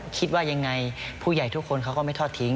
คิดว่ายังไงผู้ใหญ่ทุกคนเขาก็ไม่ทอดทิ้ง